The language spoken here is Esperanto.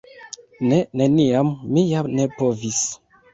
Ne, neniam, mi ja ne povis.